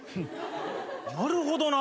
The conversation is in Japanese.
なるほどな。